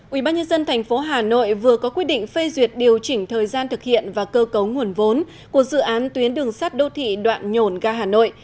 ubnd tp hà nội vừa có quyết định phê duyệt điều chỉnh thời gian thực hiện và cơ cấu nguồn vốn của dự án tuyến đường sắt đô thị đoạn nhổn ga hà nội